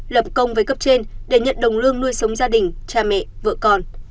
lập công với cấp trên để nhận đồng lương nuôi sống gia đình cha mẹ vợ con